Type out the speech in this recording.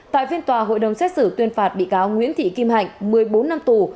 tại phiên tòa hội đồng xét xử tuyên phạt bị cáo nguyễn thị kim hạnh một mươi bốn năm tù